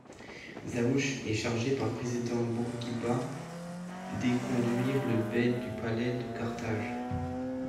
Zaouche est chargé par le président Bourguiba d'éconduire le bey du palais de Carthage.